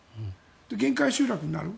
限界集落になる。